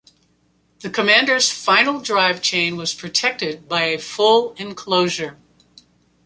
The Commander's final-drive chain was protected by a full enclosure.